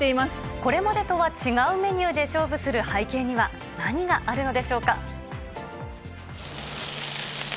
これまでとは違うメニューで勝負する背景には何があるのでしょうか。